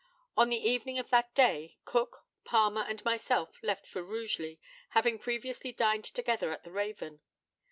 On the evening of that day Cook, Palmer, and myself, left for Rugeley, having previously dined together at the Raven.